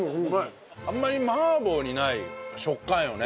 あんまり麻婆にない食感よね